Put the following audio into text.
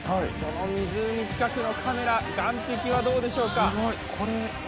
その湖近くのカメラ、岸壁はどうでしょうか。